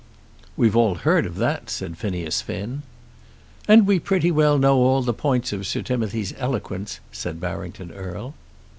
"We've all heard of that," said Phineas Finn. "And we pretty well know all the points of Sir Timothy's eloquence," said Barrington Erle.